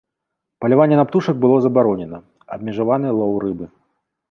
Паляванне на птушак было забаронена, абмежаваны лоў рыбы.